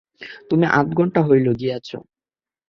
তুমি আধ ঘণ্টা হইল গিয়াছ।